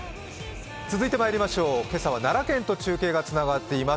今朝は奈良県と中継がつながっています。